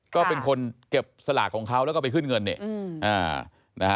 ก็เป็นคนเก็บสลากของเขาแล้วก็ไปขึ้นเงินเนี่ยนะฮะ